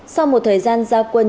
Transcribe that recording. sau một thời gian giao quân